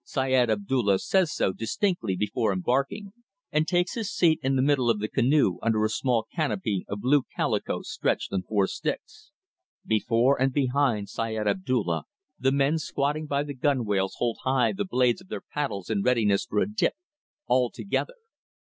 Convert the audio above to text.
Syed Abdulla says so distinctly before embarking, and takes his seat in the middle of the canoe under a small canopy of blue calico stretched on four sticks. Before and behind Syed Abdulla, the men squatting by the gunwales hold high the blades of their paddles in readiness for a dip, all together.